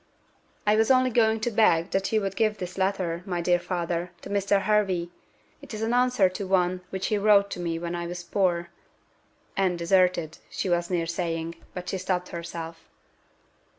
"I was only going to beg that you would give this letter, my dear father, to Mr. Hervey. It is an answer to one which he wrote to me when I was poor" and deserted, she was near saying, but she stopped herself.